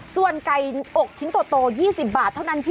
ส่วนไก่อกชิ้นโต๒๐บาทเท่านั้นพี่